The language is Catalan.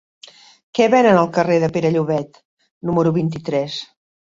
Què venen al carrer de Pere Llobet número vint-i-tres?